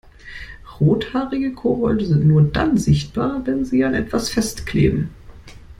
Rothaarige Kobolde sind nur dann sichtbar, wenn sie an etwas festkleben.